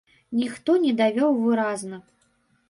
Ніхто не давёў выразна.